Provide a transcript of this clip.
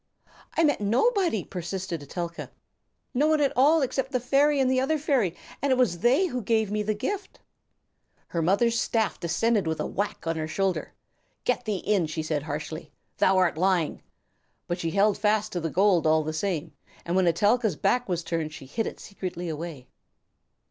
"I met nobody," persisted Etelka, "no one at all except the fairy and the other fairy, and it was they who gave me the gift." Her mother's staff descended with a whack on her shoulder. "Get thee in," she said harshly. "Thou are lying." But she held fast to the gold all the same, and when Etelka's back was turned she hid it secretly away.